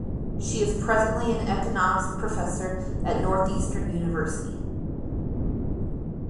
She is presently an economics professor at Northeastern University.